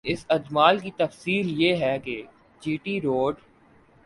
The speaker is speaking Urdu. اس اجمال کی تفصیل یہ ہے کہ جی ٹی روڈ